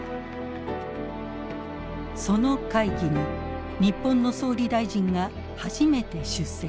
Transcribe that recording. その会議に日本の総理大臣が初めて出席。